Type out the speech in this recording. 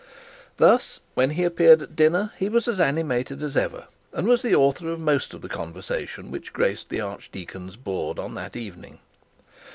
Thus when he appeared at dinner he was as animated as ever, and was the author of most of the conversation which graced the archdeacon's board on that evening.